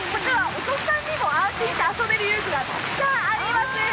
お子さんにも安心して遊べる遊具がたくさんあります。